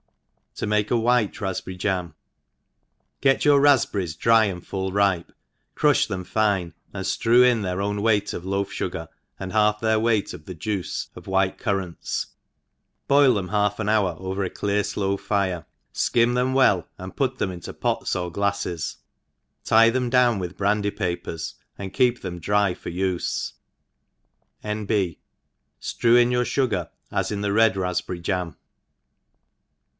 3# ENGLISH HOUSE.KEEPER. ai j To mah White Raspberry Jam* GET your rafpbcrries dry and full ripe, cru(h them fine, and flrew in their own weignt of loaf fugar, and half their weight of the juice of white currants^ boil them half an hour oyer t clear flow fire» fkim them well, and put tfaeAa into pota or glafies, tie them down with brandy papers, and keep them dry for ufe. — N. B. Strevf in your fugar as in the red rafpberry jam.